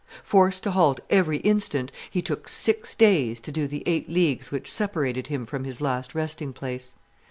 Forced to halt every instant, he took six days to do the eight leagues which separated him from his last resting place.